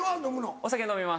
お酒飲みます。